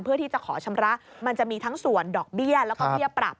เพื่อที่จะขอชำระมันจะมีทั้งส่วนดอกเบี้ยแล้วก็เบี้ยปรับ